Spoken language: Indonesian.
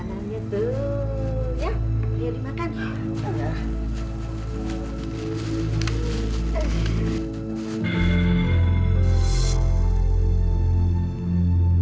nah makanannya dulu